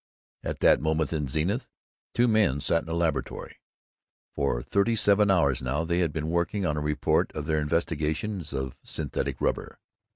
At that moment in Zenith, two men sat in a laboratory. For thirty seven hours now they had been working on a report of their investigations of synthetic rubber.